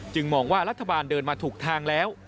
มองว่ารัฐบาลเดินมาถูกทางแล้ว